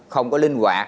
không có linh hoạt